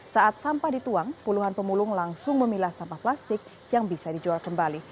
saat sampah dituang puluhan pemulung langsung memilah sampah plastik yang bisa dijual kembali